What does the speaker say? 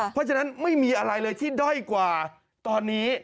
เพราะฉะนั้นไม่มีอะไรเลยที่ด้อยกว่าตอนนี้